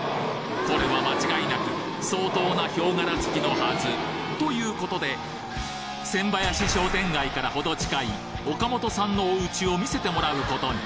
これは間違いなく相当なということで千林商店街からほど近い岡本さんのお家を見せてもらうことに。